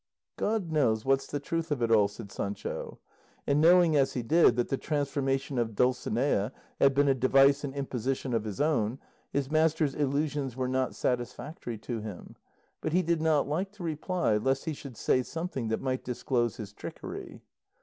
"God knows what's the truth of it all," said Sancho; and knowing as he did that the transformation of Dulcinea had been a device and imposition of his own, his master's illusions were not satisfactory to him; but he did not like to reply lest he should say something that might disclose his trickery.